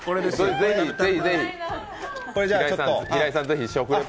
ぜひぜひ。